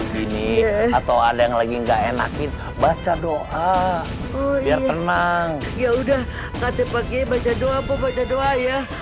gini atau ada yang lagi nggak enakin baca doa biar tenang ya udah kasih pagi baca doa bu baca doa ya